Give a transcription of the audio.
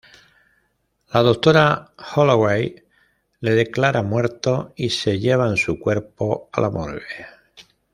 La doctora Holloway le declara muerto y se llevan su cuerpo a la morgue.